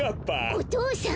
お父さん！